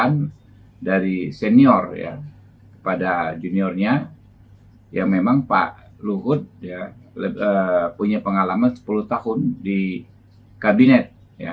pak luhut punya pengalaman sepuluh tahun di kabinet